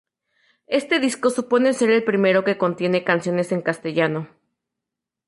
Este disco supone ser el primero que contiene canciones en castellano.